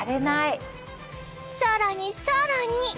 さらにさらに